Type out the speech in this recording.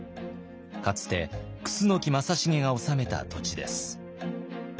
かつて楠木正成が治めた土地です。